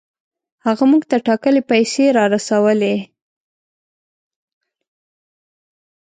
هغه موږ ته ټاکلې پیسې را رسولې.